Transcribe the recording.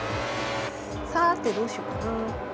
さてどうしようかな。